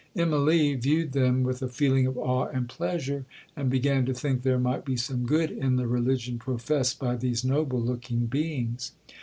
Immalee viewed them with a feeling of awe and pleasure, and began to think there might be some good in the religion professed by these noble looking beings.